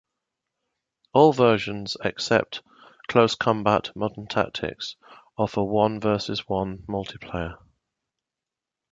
All versions except "Close Combat: Modern Tactics" offer only one versus one multiplayer.